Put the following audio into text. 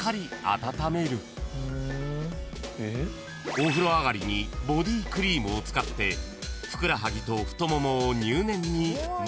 ［お風呂上がりにボディークリームを使ってふくらはぎと太ももを入念にマッサージ］